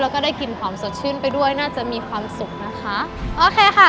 แล้วก็ได้กลิ่นหอมสดชื่นไปด้วยน่าจะมีความสุขนะคะโอเคค่ะ